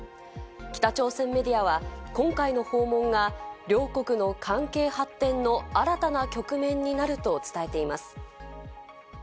北朝鮮メディアは今回の訪問が両国の関係発展の新たな局面になると伝えています。